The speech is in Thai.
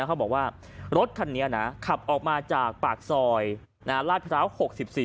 เขาบอกว่ารถคันนี้นะขับออกมาจากปากซอยลาดพร้าว๖๔